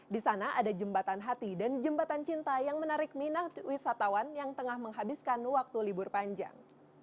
di sana ada jembatan hati dan jembatan cinta yang menarik minat wisatawan yang tengah menghabiskan waktu libur panjang